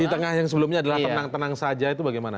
di tengah yang sebelumnya adalah tenang tenang saja itu bagaimana